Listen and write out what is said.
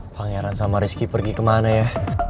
pangeran sama rizky pergi kemana ya